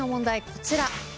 こちら。